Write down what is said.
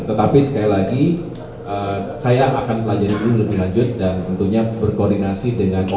tetapi sekali lagi saya akan pelajari dulu lebih lanjut dan tentunya berkoordinasi dengan pemerintah